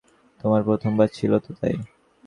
তোমার প্রথমবার ছিলো তো তাই।